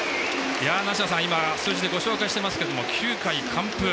梨田さん数字でご紹介していますけど９回完封。